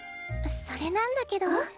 それなんだけど。